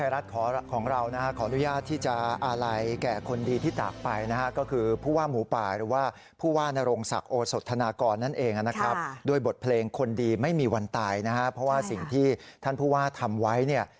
โลกยังไม่สินหวังแต่ยังมั่นในความดี